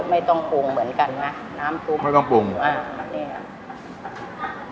ไม่ต้องปรุงเหมือนกันนะน้ำซุปไม่ต้องปรุงอ่านี่อ่ะ